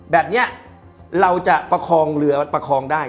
แบบนี้เราจะประคองเรือประคองได้